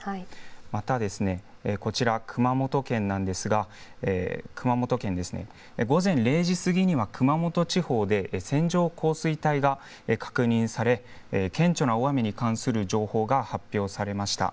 また、こちら、熊本県なんですが、熊本県ですね、午前０時過ぎには熊本地方で、線状降水帯が確認され、顕著な大雨に関する情報が発表されました。